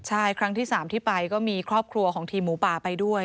ใช่ครั้งที่๓ที่ไปก็มีครอบครัวของทีมหมูป่าไปด้วย